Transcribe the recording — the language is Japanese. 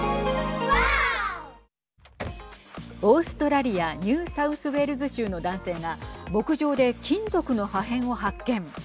オーストラリアニューサウスウェールズ州の男性が牧場で金属の破片を発見。